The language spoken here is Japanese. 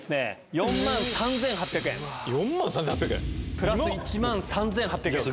４万３８００円⁉プラス１万３８００円。